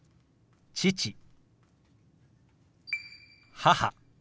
「母」。